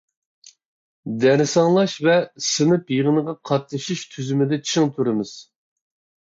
دەرس ئاڭلاش ۋە سىنىپ يىغىنىغا قاتنىشىش تۈزۈمىدە چىڭ تۇرىمىز.